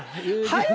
はい。